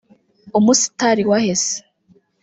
umusitari wahe se